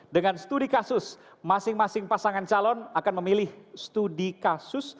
dengan studi kasus masing masing pasangan calon akan memilih studi kasus